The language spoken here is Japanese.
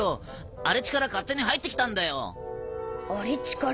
荒地から勝手に入って来たんだよ。荒地から？